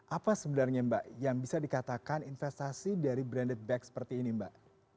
apa sebenarnya mbak yang bisa dikatakan investasi dari branded back seperti ini mbak